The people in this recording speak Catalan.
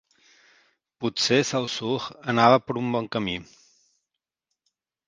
Potser Saussure anava per un bon camí.